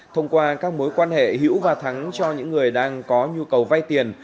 thông qua các mối quan hệ hữu và thắng cho những người đang có nhu cầu vay tiền